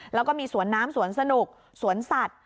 แล้วก็มีสวนน้ำสวนสนุกสวนสัตว์